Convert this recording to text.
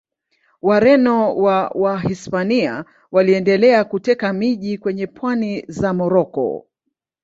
Wareno wa Wahispania waliendelea kuteka miji kwenye pwani za Moroko.